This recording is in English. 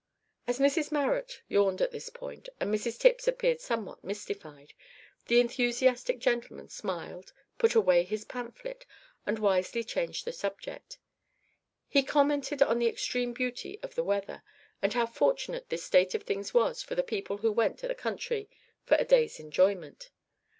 As Mrs Marrot yawned at this point and Mrs Tipps appeared somewhat mystified, the enthusiastic gentleman smiled, put away his pamphlet, and wisely changed the subject. He commented on the extreme beauty of the weather, and how fortunate this state of things was for the people who went to the country for a day's enjoyment.